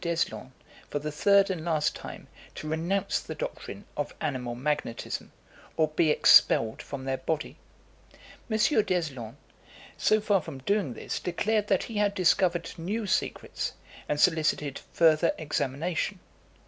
D'Eslon, for the third and last time, to renounce the doctrine of animal magnetism, or be expelled from their body. M. D'Eslon, so far from doing this, declared that he had discovered new secrets, and solicited further examination.